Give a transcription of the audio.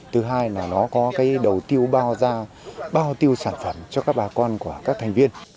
thứ hai là nó có cái đầu tiêu bao tiêu sản phẩm cho các bà con